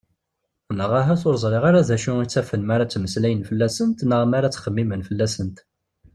Neɣ ahat ur ẓriɣ ara d acu i ttafen mi ara ttmeslayen fell-asent neɣ mi ara ttxemmimen fell-asent.